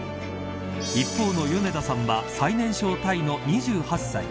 一方の米田さんは最年少タイの２８歳。